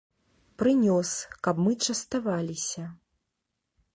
Прынёс, каб мы частаваліся.